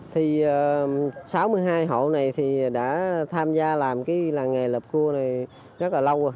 thì sáu mươi hai hộ này thì đã tham gia làm cái làng nghề lập cua này rất là lâu